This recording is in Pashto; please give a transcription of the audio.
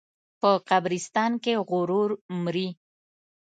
په قبرستان کې غرور مري.